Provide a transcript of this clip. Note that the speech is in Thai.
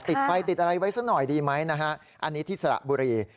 ติดไฟติดอะไรไว้สักหน่อยดีไหมนะฮะอันนี้ที่สระบุรี